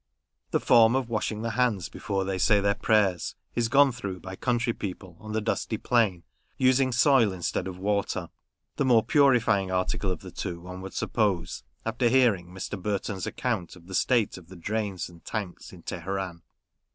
The form of washing the hands before they say their prayers is gone through by country people on the dusty plain, using soil instead of water ; the more purifying article of the two, one would suppose, after hearing Mr. Burton's account of the state of the drains and tanks in Teheran.